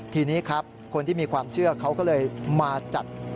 ทีนี้ครับคนที่มีความเชื่อเขาก็เลยมาจัด